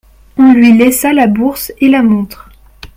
On lui laissa la bourse et la montre.